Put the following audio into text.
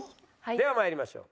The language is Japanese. では参りましょう。